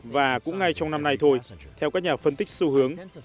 và cũng ngay trong năm nay thôi theo các nhà phân tích xu hướng